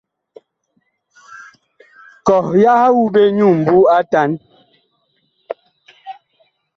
Kɔh yah wu ɓe nyu ŋmbu atan.